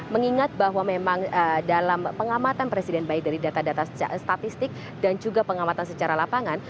mengingat bahwa memang dalam pengamatan presiden baik dari data data statistik dan juga pengamatan secara lapangan